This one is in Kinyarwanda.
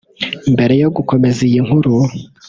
Mbere yo gukomeza iyi nkuru